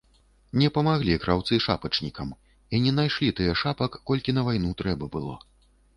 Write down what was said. Не памаглі краўцы шапачнікам і не нашылі тыя шапак, колькі на вайну трэба было.